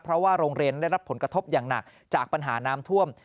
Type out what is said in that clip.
เพราะว่าโรงเรียนได้รับผลกระทบอย่างหนักจากปัญหาน้ำท่วม